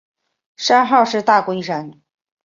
山号是大龟山。